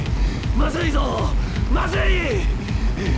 まずいぞッまずいッ。